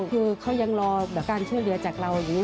คือเขายังรอแบบการเชื่อเรือจากเราอย่างนี้